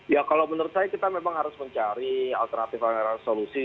ya kalau menurut saya kita memang harus mencari alternatif alternatif solusi